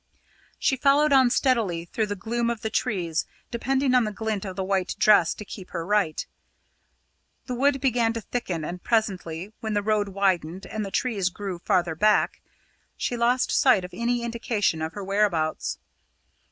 She followed on steadily through the gloom of the trees, depending on the glint of the white dress to keep her right. The wood began to thicken, and presently, when the road widened and the trees grew farther back, she lost sight of any indication of her whereabouts.